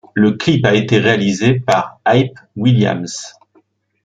Le clip a été réalisé par Hype Williams.